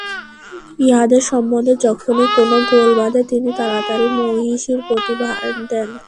ইহাদের সম্বন্ধে যখনই কোনো গোল বাধে, তিনি তাড়াতাড়ি মহিষীর প্রতি ভার দেন।